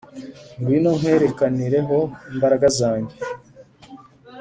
ngwino nkwerekanireho imbaraga zajye